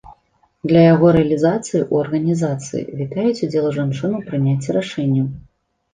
Для яго рэалізацыі ў арганізацыі вітаюць удзел жанчын у прыняцці рашэнняў.